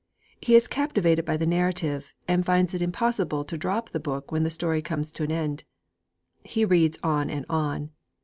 He is captivated by the narrative, and finds it impossible to drop the book when the story comes to an end. He reads on and on.